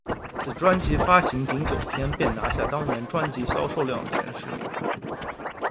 此专辑发行仅九天便拿下当年专辑销售量前十名。